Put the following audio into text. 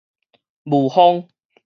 霧峰